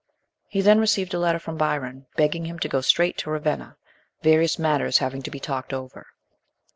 He then received a letter from Byron begging him to go straight to Ravenna, various matters having to be talked over.